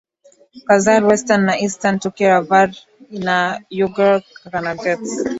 Khazar Western and Eastern Turkic Avar na Uyghur kaganates